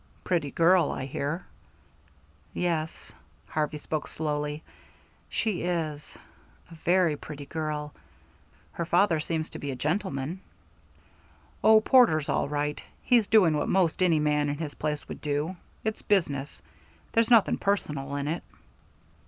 "Pretty girl, I hear." "Yes," Harvey spoke slowly, "she is. A very pretty girl. Her father seems to be a gentleman." "Oh, Porter's all right. He's doing what 'most any man in his place would do. It's business. There's nothing personal in it."